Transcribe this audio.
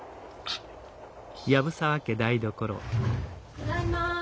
ただいま。